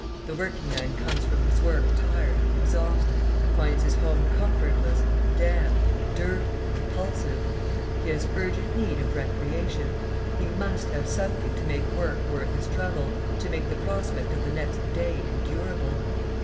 The working man comes from his work tired, exhausted, finds his home comfortless, damp, dirty, repulsive; he has urgent need of recreation, he must have something to make work worth his trouble, to make the prospect of the next day endurable.